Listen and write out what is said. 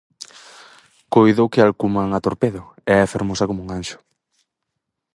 Coido que a alcuman a Torpedo e é fermosa coma un anxo.